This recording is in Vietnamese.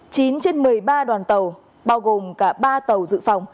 chín trên một mươi ba đoàn tàu bao gồm cả ba tàu dự phòng